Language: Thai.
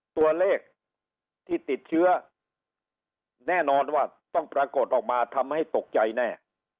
ตัวเลขที่ติดเชื้อแน่นอนว่าต้องปรากฏออกมาทำให้ตกใจแน่